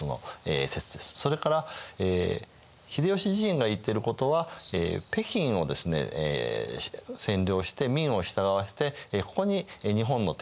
それから秀吉自身が言ってることは北京を占領して明を従わせてここに日本の天皇を置くと。